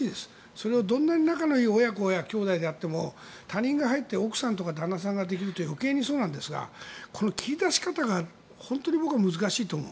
それをどんなに仲のいい親子やきょうだいであっても他人が入って奥さんとか旦那さんができると余計にそうなんですが切り出し方が本当に僕は難しいと思う。